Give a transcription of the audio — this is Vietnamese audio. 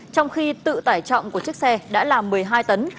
trong khi tự tải trọng của chiếc xe đã là một mươi hai tấn